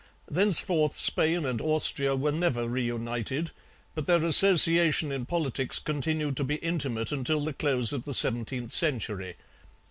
Thenceforth Spain and Austria were never reunited, but their association in politics continued to be intimate until the close of the seventeenth century.